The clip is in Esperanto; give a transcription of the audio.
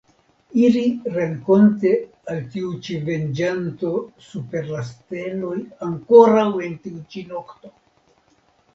Iri renkonte al tiu ĉi venĝanto super la steloj ankoraŭ en tiu ĉi nokto!